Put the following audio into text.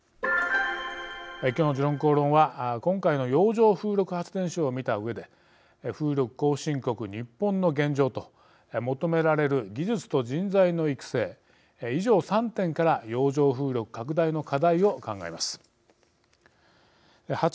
今日の「時論公論」は今回の洋上風力発電所を見たうえで風力後進国、日本の現状と求められる技術と人材の育成以上３点から洋上風力拡大の課題を考えます。